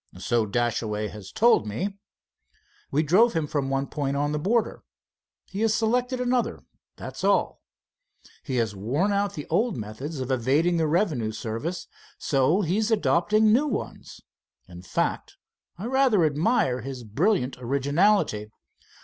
"So Dashaway has told me." "We drove him from one point on the border. He has selected another, that's all. He has worn out the old methods of evading the revenue service, so he is adopting new ones. In fact, I rather admire his brilliant originality.